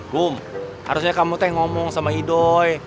kum harusnya kamu teh ngomong sama idoi